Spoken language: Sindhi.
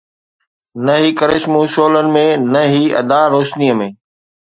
نه هي ڪرشمو شعلن ۾، نه هي ادا روشنيءَ ۾